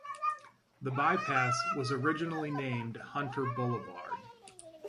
The bypass was originally named Hunter Boulevard.